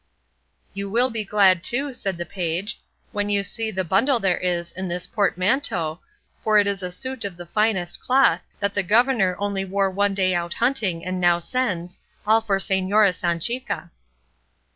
"You will be glad too," said the page, "when you see the bundle there is in this portmanteau, for it is a suit of the finest cloth, that the governor only wore one day out hunting and now sends, all for Señora Sanchica."